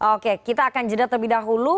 oke kita akan jeda terlebih dahulu